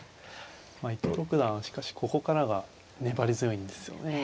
まあ伊藤六段はしかしここからが粘り強いんですよね。